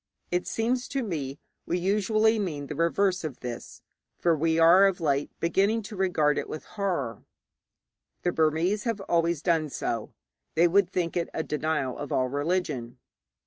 It seems to me we usually mean the reverse of this, for we are of late beginning to regard it with horror. The Burmese have always done so. They would think it a denial of all religion.